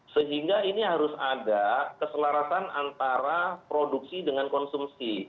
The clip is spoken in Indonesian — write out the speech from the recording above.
sehingga ini harus ada keselarasan antara produksi dengan konsumsi